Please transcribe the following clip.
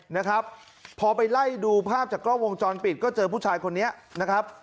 นะครับพอไปไล่ดูภาพจากกล้องวงจรปิดก็เจอผู้ชายคนนี้นะครับ